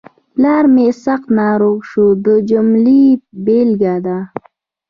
پلار مې سخت ناروغ شو د جملې بېلګه ده.